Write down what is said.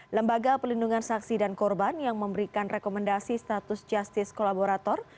lembaga pelindungan saksi dan korban yang memberikan rekomendasi status justice kolaborator